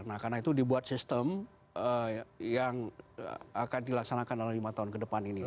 nah karena itu dibuat sistem yang akan dilaksanakan dalam lima tahun ke depan ini